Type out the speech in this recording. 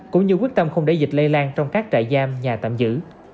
cũng như quyết tâm không để dịch lây lan trong các trại giam nhà tạm giữ